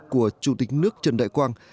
của chủ tịch nước trần đại quang